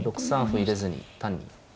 ６三歩入れずに単に。